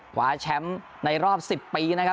คว้าแชมป์ในรอบ๑๐ปีนะครับ